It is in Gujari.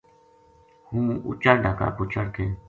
ہوں اُچا ڈھاکا پو چڑھ کے